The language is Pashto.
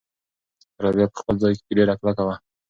رابعه په خپل ځای کې ډېره کلکه وه.